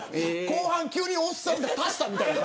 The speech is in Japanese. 後半、急におっさんを足したみたいな。